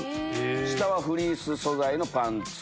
下はフリース素材のパンツ。